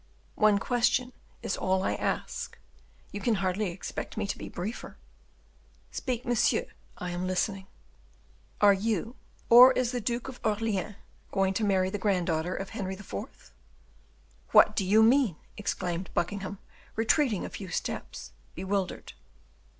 "One question is all I ask; you can hardly expect me to be briefer." "Speak, monsieur, I am listening." "Are you, or is the Duke of Orleans, going to marry the granddaughter of Henry IV.?" "What do you mean?" exclaimed Buckingham, retreating a few steps, bewildered.